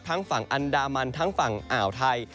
ฝั่งอันดามันทั้งฝั่งอ่าวไทย